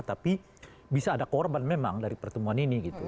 tapi bisa ada korban memang dari pertemuan ini gitu